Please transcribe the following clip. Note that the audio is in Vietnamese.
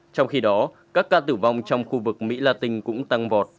trong khi đó các ca tử vong trong khu vực mỹ latin cũng tăng vọt